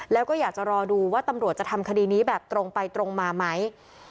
แล้วก็อยากจะรอดูว่าตำรวจจะทำคดีนี้แบบตรงไปตรงมาไหม